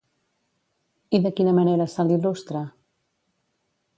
I de quina manera se l'il·lustra?